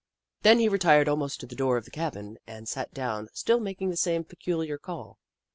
Then he retired almost to the door of the cabin, and sat down, still making the same peculiar call.